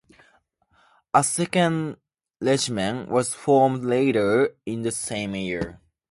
A second regiment was formed later in the same year.